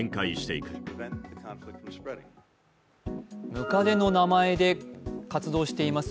百足の名前で活動しています